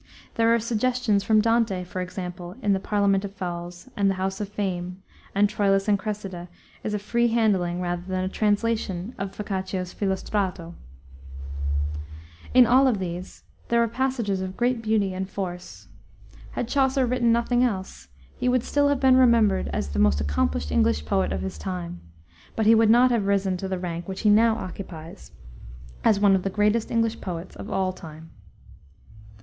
There are suggestions from Dante, for example, in the Parlament of Foules and the Hous of Fame, and Troilus and Cresseide is a free handling rather than a translation of Boccaccio's Filostrato. In all of these there are passages of great beauty and force. Had Chaucer written nothing else, he would still have been remembered as the most accomplished English poet of his time, but he would not have risen to the rank which he now occupies, as one of the greatest English poets of all time.